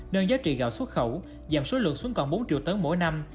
nâng giá trị gạo xuất khẩu giảm số lượng xuống còn bốn triệu tấn mỗi năm